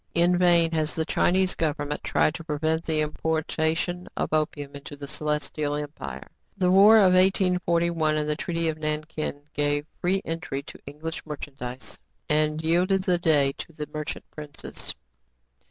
In vain has the Chinese government tried to prevent the importation of opium into the Celestial Empire. The war of 1841 and the treaty of Nankin gave free entry to English merchandise, and yielded the day to the merchant princes.